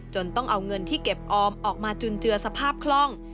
ต้องเอาเงินที่เก็บออมออกมาจุนเจือสภาพคล่อง